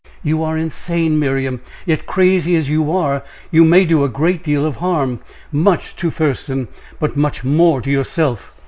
"You are insane, Miriam; yet, crazy as you are, you may do a great deal of harm much to Thurston, but much more to yourself.